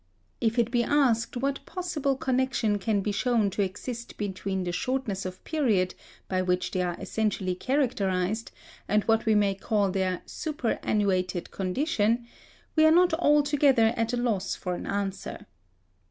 If it be asked what possible connection can be shown to exist between the shortness of period by which they are essentially characterised, and what we may call their superannuated condition, we are not altogether at a loss for an answer.